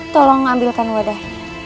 tolong ambilkan wadah